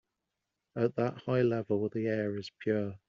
At that high level the air is pure.